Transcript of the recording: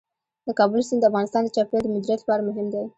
د کابل سیند د افغانستان د چاپیریال د مدیریت لپاره مهم دی.